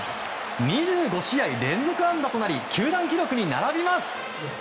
２５試合連続安打となり球団記録に並びます。